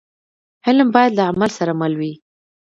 علم باید له عمل سره مل وي.